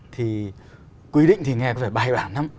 thì quy định thì nghe có lẽ bài bản lắm